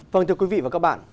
vâng thưa quý vị và các bạn